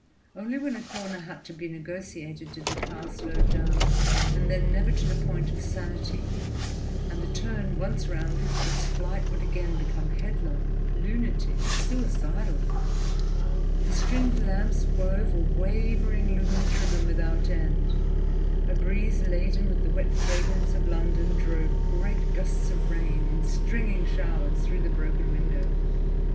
Only when a corner had to be negotiated did the car slow down, and then never to the point of sanity; and the turn once rounded, its flight would again become headlong, lunatic, suicidal. The stringed lamps wove a wavering luminous ribbon without end; a breeze laden with the wet fragrance of London drove great gusts of rain in stringing showers through the broken window.